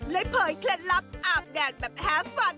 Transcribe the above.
เผยเคล็ดลับอาบแดดแบบแฮปฟัน